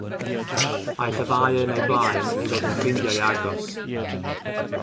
Aeth y ddau yn eu blaen i ddod yn ffrindiau agos.